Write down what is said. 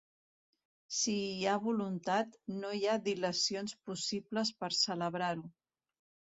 Si hi ha voluntat, no hi ha dil·lacions possibles per celebrar-lo.